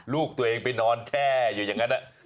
ลูกตัวเองไปนอนแช่อยู่อย่างนั้น